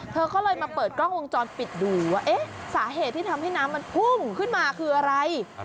เธอก็เลยมาเปิดกล้องวงจรปิดดูว่าเอ๊ะสาเหตุที่ทำให้น้ำมันพุ่งขึ้นมาคืออะไร